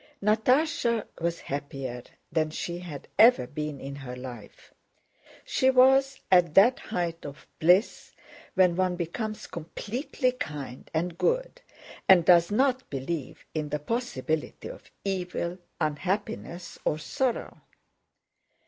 Natásha was happier than she had ever been in her life. She was at that height of bliss when one becomes completely kind and good and does not believe in the possibility of evil, unhappiness, or sorrow.